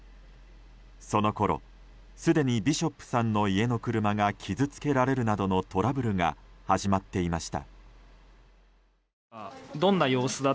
そのころすでにビショップさんの家の車が傷つけられるなどのトラブルが始まっていました。